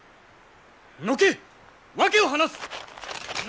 のけ！訳を話す！